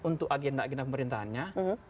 untuk agenda agenda pemerintahannya